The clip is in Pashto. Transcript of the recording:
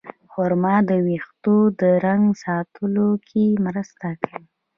خرما د ویښتو د رنګ ساتلو کې مرسته کوي.